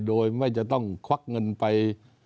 โดยไม่จะต้องควักเงินไป